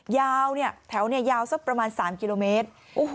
ยาวเนี่ยแถวเนี่ยยาวสักประมาณ๓กิโลเมตร